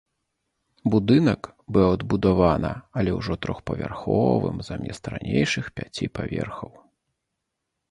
Будынак быў адбудавана, але ўжо трохпавярховым замест ранейшых пяці паверхаў.